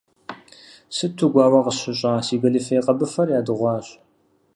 Сыту гуауэ къысщыщӏа, си гэлифе къэбыфэр ядыгъуащ.